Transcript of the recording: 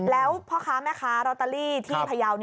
แล้วพ่อค้าแม่ค้ารอตเตอรี่ที่พยาว